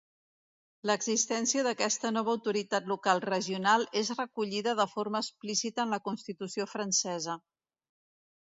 L'existència d'aquesta nova autoritat local regional és recollida de forma explícita en la Constitució francesa.